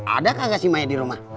ada kagak si maya di rumah